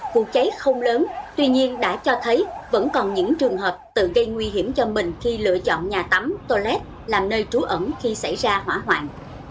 vụ cháy không lớn tuy nhiên đã cho thấy vẫn còn những trường hợp tự gây nguy hiểm cho mình khi lựa chọn nhà tắm tolet làm nơi trú ẩn khi xảy ra hỏa hoạn